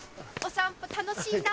散歩楽しいな。